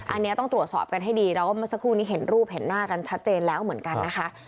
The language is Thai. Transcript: อันนี้ต้องตรวจสอบกันให้ดีแล้วก็เมื่อสักครู่นี้เห็นรูปเห็นหน้ากันชัดเจนแล้วเหมือนกันนะคะ